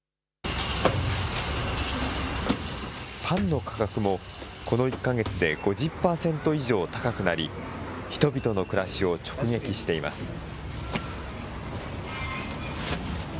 パンの価格もこの１か月で５０％以上高くなり人々の暮らしを直撃しています。